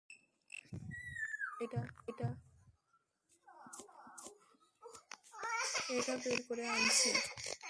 এটা বের করে আনছি।